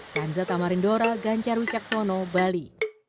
dan zatamarindora ganjaru caksono bali